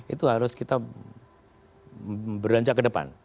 itu harus kita beranjak ke depan